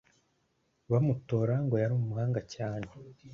Bamutora ngo yari umuhanga cyane